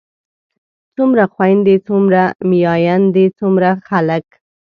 څومره خويندے څومره ميايندے څومره خلک